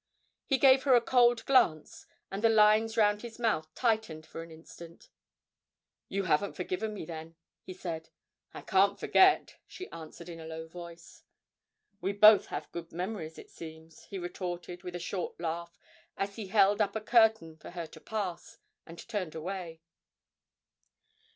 He gave her a cold keen glance, and the lines round his mouth tightened for an instant. 'You haven't forgiven me, then?' he said. 'I can't forget,' she answered in a low voice. 'We both have good memories, it seems,' he retorted with a short laugh as he held up a curtain for her to pass, and turned away.